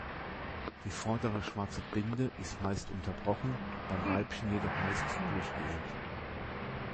Die vordere schwarze Binde ist meist unterbrochen, beim Weibchen jedoch meist durchgehend.